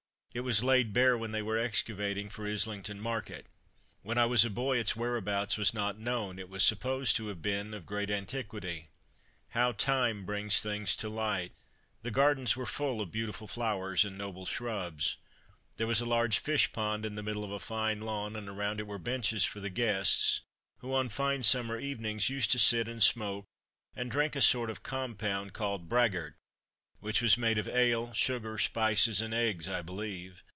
It was laid bare when they were excavating for Islington Market. When I was a boy its whereabouts was not known; it was supposed to have been of great antiquity. How time brings things to light! The gardens were full of beautiful flowers and noble shrubs. There was a large fish pond in the middle of a fine lawn, and around it were benches for the guests, who, on fine summer evenings, used to sit and smoke, and drink a sort of compound called "braggart," which was made of ale, sugar, spices, and eggs, I believe.